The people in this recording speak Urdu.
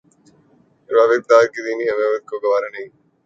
اربابِ اقتدارکی دینی حمیت کو یہ گوارا نہیں